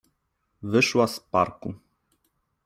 Wyszła z parku.